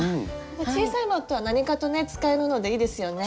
小さいマットは何かとね使えるのでいいですよね。